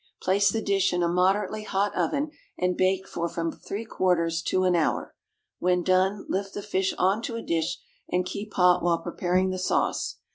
Place the dish in a moderately hot oven and bake for from three quarters to an hour. When done, lift the fish on to a dish and keep hot while preparing the sauce.